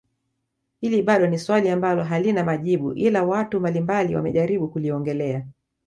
Hili bado ni swali ambalo halina majibu ila watu mbalimbali wamejaribu kuliongelea